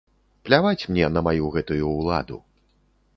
Пляваць мне на маю гэтую ўладу.